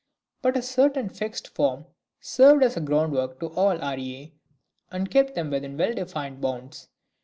But a certain fixed form served as a groundwork to all arie, and kept them within well defined bounds.